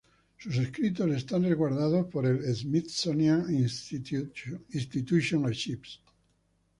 Sus escritos están resguardados por el Smithsonian Institution Archives.